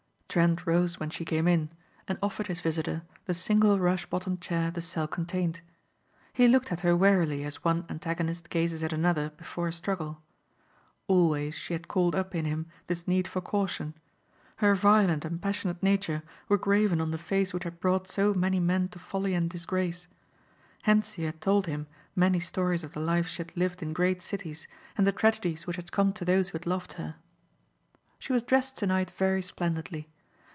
Trent rose when she came in and offered his visitor the single rush bottomed chair the cell contained. He looked at her warily as one antagonist gazes at another before a struggle. Always she had called up in him this need for caution. Her violent and passionate nature were graven on the face which had brought so many men to folly and disgrace. Hentzi had told him many stories of the life she had lived in great cities and the tragedies which had come to those who had loved her. She was dressed tonight very splendidly.